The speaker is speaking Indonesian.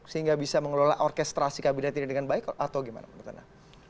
sehingga bisa mengelola orkestrasi kabinet ini dengan baik atau gimana menurut anda